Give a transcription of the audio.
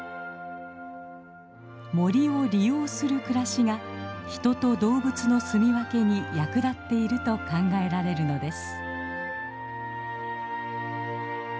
森を利用する暮らしが人と動物の住み分けに役立っていると考えられるのです。